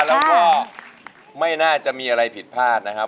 แล้วก็ไม่น่าจะมีอะไรผิดพลาดนะครับ